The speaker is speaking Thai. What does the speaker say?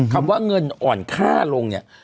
คำว่าเงินอ่อนค่าลงเนี่ย